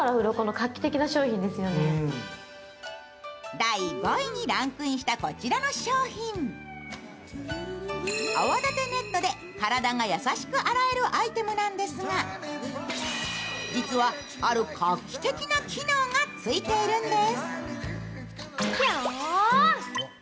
第５位にランクインしたこちらの商品、泡立てネットで体が優しく洗えるアイテムなんですが実はある画期的な機能がついているんです。